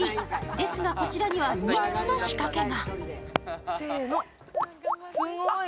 ですが、こちらにはニッチな仕掛けが。